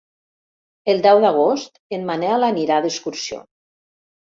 El deu d'agost en Manel anirà d'excursió.